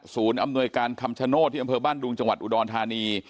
อำนวยการคำชโนธที่อำเภอบ้านดุงจังหวัดอุดรธานี